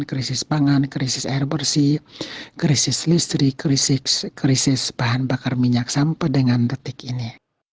krisis pangan krisis air bersih krisis listrik krisis bahan bakar minyak sampai dengan detik ini